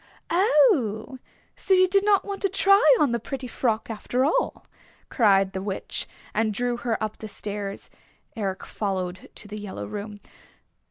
"Oh, so you did want to try on the pretty frock after all," cried the Witch, and drew her up the stairs. Eric followed to the yellow room.